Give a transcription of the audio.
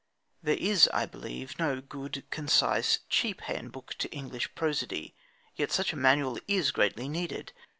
There is, I believe, no good, concise, cheap handbook to English prosody; yet such a manual is greatly needed.